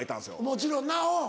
もちろんなうん。